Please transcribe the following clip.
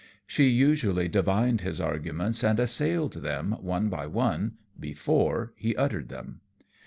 She usually divined his arguments and assailed them one by one before he uttered them.